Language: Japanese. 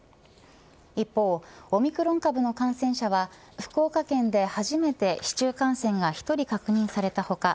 一方、オミクロン株の感染者は福岡県で初めて市中感染が１人確認された他